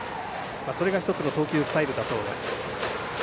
それが１つの投球スタイルだそうです。